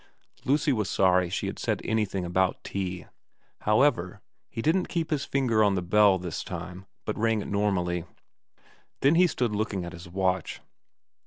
Lucy was sorry she had said anything about tea. However, he didn't keep his finger on the bell this time, but rang it normally. Then he stood looking at his watch.